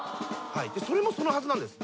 それもそのはずなんです。